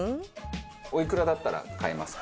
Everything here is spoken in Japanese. おいくらだったら買いますか？